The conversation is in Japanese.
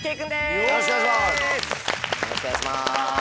よろしくお願いします。